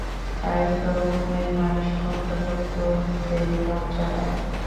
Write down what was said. তাই তো মেয়েমানুষ দুঃখ বোধ করতেই লজ্জা পায়।